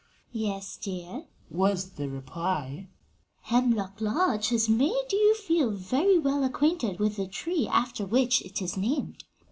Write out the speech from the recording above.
"Yes, dear," was the reply; "Hemlock Lodge has made you feel very well acquainted with the tree after which it is named.